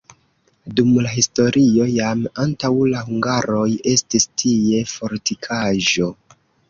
Dum la historio jam antaŭ la hungaroj estis tie fortikaĵo.